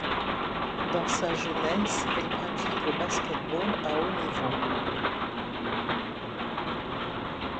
Dans sa jeunesse, elle pratique le basket-ball à haut niveau.